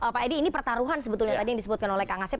pak edi ini pertaruhan sebetulnya tadi yang disebutkan oleh kang asep